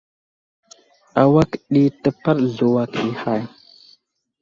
Awak di təpaɗ zluwak i hay.